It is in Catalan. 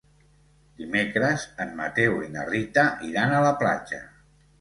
Dimecres en Mateu i na Rita iran a la platja.